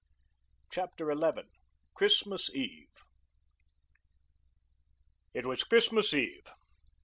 CHAPTER XI. CHRISTMAS EVE. It was Christmas Eve.